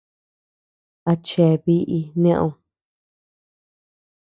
¿A chea biʼi neʼed.?